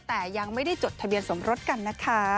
แต่ยังไม่ได้จดทะเบียนสมรสกันนะคะ